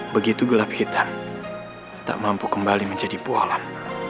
begitu gelap hitam tak mampu kembali menjadi bualan